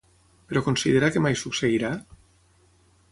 Però considera que mai succeirà?